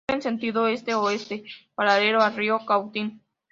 Corre en sentido este-oeste, paralelo al río Cautín.